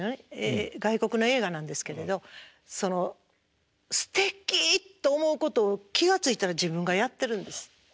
外国の映画なんですけれどすてきと思うことを気が付いたら自分がやってるんです。